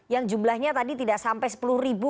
yang jumlahnya tadi tidak sampai sepuluh ribu